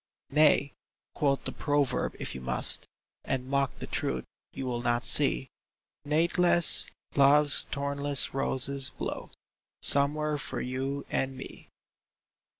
Nay, quote the proverb if you must, And mock the truth you will not see ; Nathless, Love's thornless roses blow Somewhere for you and me.